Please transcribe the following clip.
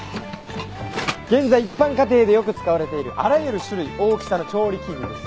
現在一般家庭でよく使われているあらゆる種類大きさの調理器具です。